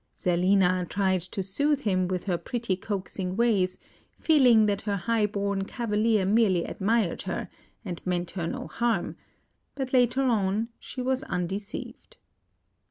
Zerlina tried to soothe him with her pretty coaxing ways, feeling that her high born cavalier merely admired her, and meant her no harm; but later on she was undeceived.